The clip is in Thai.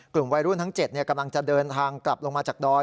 กลุ่มวัยรุ่นทั้ง๗กำลังจะเดินทางกลับลงมาจากดอย